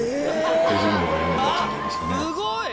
削るのは屋根だったんじゃないですかね。